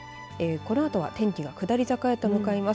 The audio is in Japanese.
この後は、天気が下り坂へと向かいます。